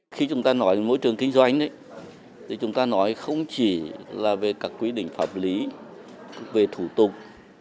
khi chúng ta nói về môi trường kinh doanh chúng ta nói không chỉ về các quy định pháp lý về thủ tục